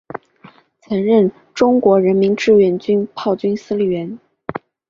曾任中国人民志愿军炮兵司令员。